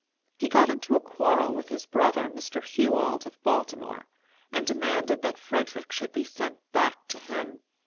He got into a quarrel with his brother, Mr. Hugh Auld of Baltimore, and demanded that Frederick should be sent back to him.